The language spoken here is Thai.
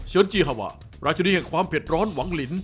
จีฮาวาปราชินีแห่งความเผ็ดร้อนหวังลิน